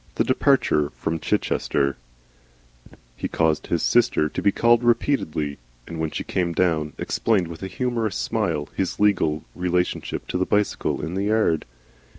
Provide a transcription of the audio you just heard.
THE DEPARTURE FROM CHICHESTER He caused his 'sister' to be called repeatedly, and when she came down, explained with a humorous smile his legal relationship to the bicycle in the yard.